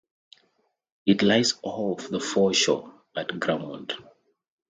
It lies off the foreshore at Cramond.